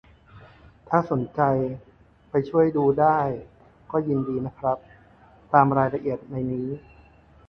ถ้าสนใจไปช่วยดูได้ก็ยินดีนะครับ ตามรายละเอียดในนี้